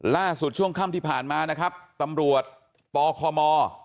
ช่วงค่ำที่ผ่านมานะครับตำรวจปคม